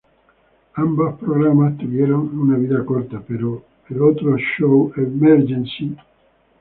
Ambos programas tuvieron una vida corta, pero otro show, "Emergency!